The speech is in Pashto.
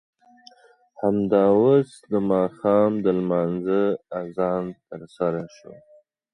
بری موندل کېږي.